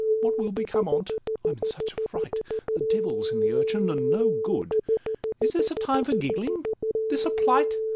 What will become on 't—I'm in such a fright, The devil 's in the urchin, and no good— Is this a time for giggling? this a plight?